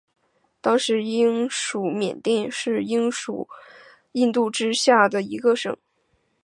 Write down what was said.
当时英属缅甸是英属印度之下的一省。